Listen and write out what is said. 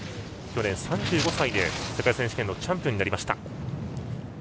去年３５歳で世界選手権のチャンピオンになりました。